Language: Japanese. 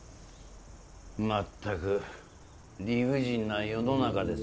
まったく理不尽な世の中ですよね。